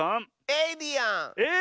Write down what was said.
エイリアン。